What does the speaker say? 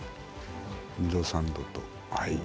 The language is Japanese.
２度、３度と。